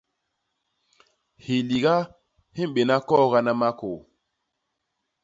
Hiliga hi mbéna koogana makôô.